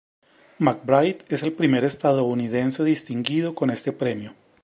McBride es el primer estadounidense distinguido con este premio.